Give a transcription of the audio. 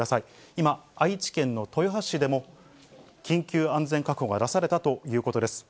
今、愛知県の豊橋市でも緊急安全確保が出されたということです。